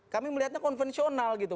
kami melihatnya konvensional gitu